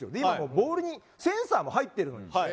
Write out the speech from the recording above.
ボールにセンサーも入ってるのに。